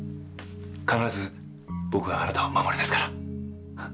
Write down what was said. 必ず僕があなたを守りますから。